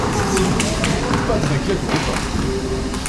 Si tu continues, pas de raclette au repas.